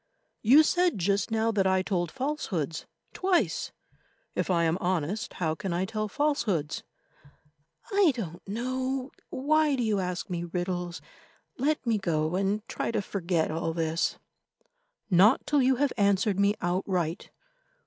"You said just now that I told falsehoods—twice; if I am honest, how can I tell falsehoods?" "I don't know. Why do you ask me riddles? Let me go and try to forget all this." "Not till you have answered me outright.